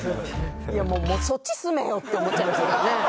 いやもうそっち住めよって思っちゃいますけどね。